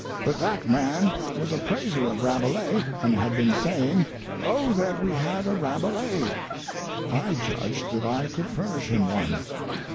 "But that man was a praiser of Rabelais and had been saying, 'O that we had a Rabelais!' I judged that I could furnish him one."